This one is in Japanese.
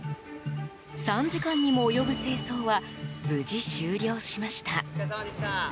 ３時間にも及ぶ清掃は無事終了しました。